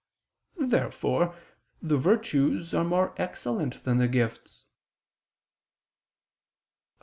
Therefore the virtues are more excellent than the gifts. Obj.